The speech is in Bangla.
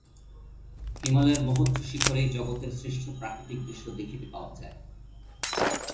হিমালয়ের মহোচ্চ শিখরেই জগতের শ্রেষ্ঠ প্রাকৃতিক দৃশ্য দেখিতে পাওয়া যায়।